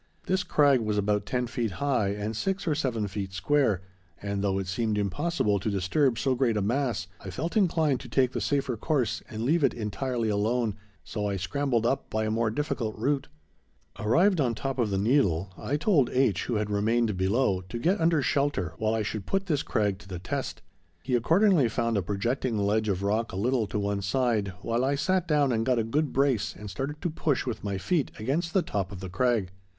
This crag was about ten feet high and six or seven feet square, and though it seemed impossible to disturb so great a mass, I felt inclined to take the safer course and leave it entirely alone, so I scrambled up by a more difficult route. Arrived on the top of the needle, I told H., who had remained below, to get under shelter while I should put this crag to the test. He accordingly found a projecting ledge of rock a little to one side, while I sat down and got a good brace and started to push with my feet against the top of the crag.